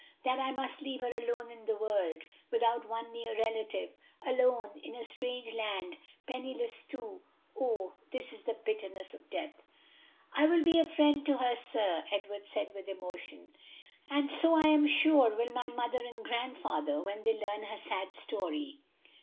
"That I must leave her alone in the world, without one near relative, alone in a strange land, penniless too, oh this is the bitterness of death!" "I will be a friend to her, sir," Edward said with emotion, "and so I am sure will my mother and grandfather when they learn her sad story.